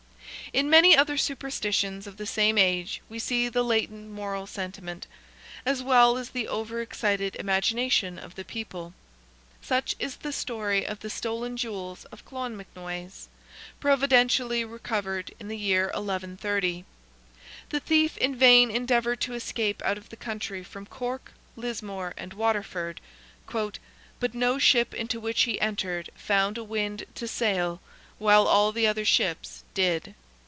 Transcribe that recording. In many other superstitions of the same age we see the latent moral sentiment, as well as the over excited imagination of the people. Such is the story of the stolen jewels of Clonmacnoise, providentially recovered in the year 1130. The thief in vain endeavoured to escape out of the country, from Cork, Lismore, and Waterford, "but no ship into which he entered found a wind to sail, while all the other ships did."